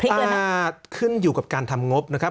พลิกเลยนะครับอ่าขึ้นอยู่กับการทำงบนะครับ